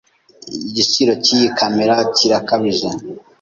Igiciro cyiyi kamera kirakabije.